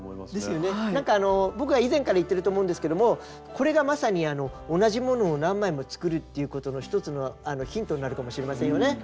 僕は以前から言ってると思うんですけどもこれがまさに同じ物を何枚も作るっていうことの１つのヒントになるかもしれませんよね。